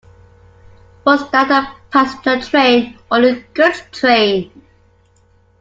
Was that a passenger train or a goods train?